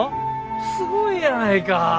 すごいやないか。